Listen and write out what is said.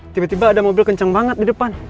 tiba tiba ada mobil kencang banget di depan